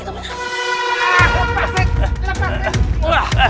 wah tattoo agak ogromi sih